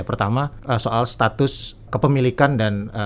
pertama soal status kepemilikan dan